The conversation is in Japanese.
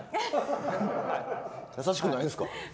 優しくないんですか？